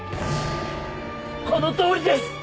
このとおりです！